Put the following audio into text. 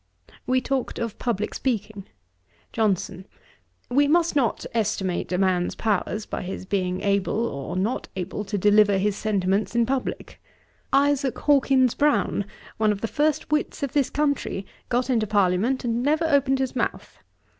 We talked of publick speaking. JOHNSON. 'We must not estimate a man's powers by his being able or not able to deliver his sentiments in publick. Isaac Hawkins Browne, one of the first wits of this country, got into Parliament, and never opened his mouth.